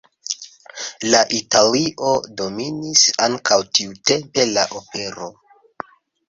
En Italio dominis ankaŭ tiutempe la opero.